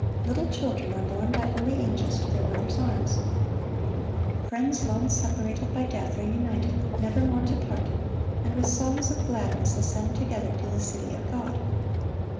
Little children are borne by holy angels to their mothers' arms. Friends long separated by death are united, nevermore to part, and with songs of gladness ascend together to the city of God.